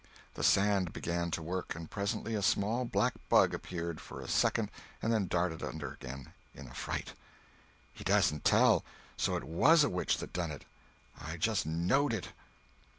The sand began to work, and presently a small black bug appeared for a second and then darted under again in a fright. "He dasn't tell! So it was a witch that done it. I just knowed it."